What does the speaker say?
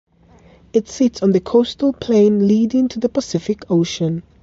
It sits on the coastal plain leading to the Pacific Ocean.